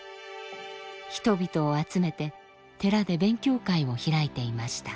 人々を集めて寺で勉強会を開いていました。